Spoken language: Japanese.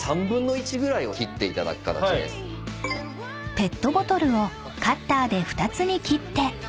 ［ペットボトルをカッターで２つに切って］